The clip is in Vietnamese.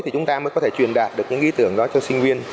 thì chúng ta mới có thể truyền đạt được những ý tưởng đó cho sinh viên